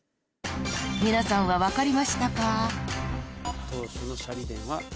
［皆さんは分かりましたか？］